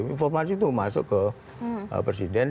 informasi itu masuk ke presiden